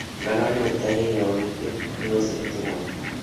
La ganó Libertad y Olimpia quedó segundo.